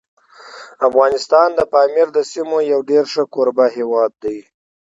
افغانستان د پامیر د سیمو یو ډېر ښه کوربه هیواد دی.